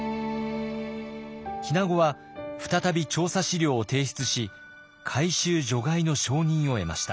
日名子は再び調査資料を提出し回収除外の承認を得ました。